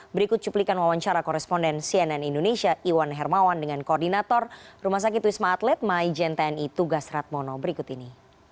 berikut cuplikan wawancara koresponden cnn indonesia iwan hermawan dengan koordinator rumah sakit wisma atlet maijen tni tugas ratmono berikut ini